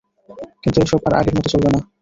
কিন্তু এসব আর আগের মতো চলবে না।